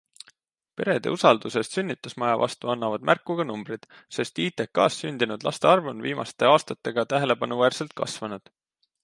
Perede usaldusest sünnitusmaja vastu annavad märku ka numbrid, sest ITKs sündinud laste arv on viimaste aastatega tähelepanuväärselt kasvanud.